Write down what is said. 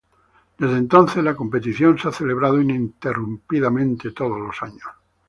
Desde entonces, la competición se ha celebrado ininterrumpidamente todos los años.